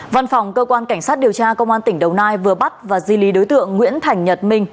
văn phòng cơ quan cảnh sát điều tra công an tỉnh đồng nai vừa bắt và di lý đối tượng nguyễn thành nhật minh